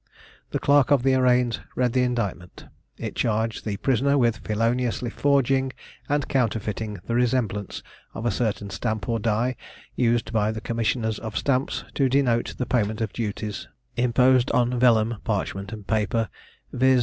The clerk of the arraigns read the indictment. It charged the prisoner with feloniously forging, and counterfeiting the resemblance of a certain stamp or die, used by the Commissioners of Stamps, to denote the payment of duties imposed on vellum, parchment, and paper, viz.